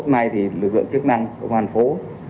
nay thì lực lượng chức năng công an phố